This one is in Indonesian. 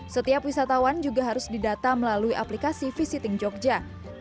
setiap wisatawan juga harus didata melalui aplikasi visiting jogja